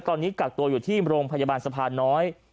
ตอนนี้กักตัวอยู่ที่โรงพยาบาลสะพานน้อย